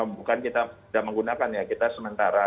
bukan kita sudah menggunakan ya kita sementara